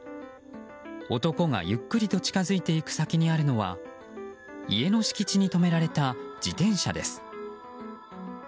男がゆっくりと近づいていく先にあるのは家の敷地に止められた自転車です。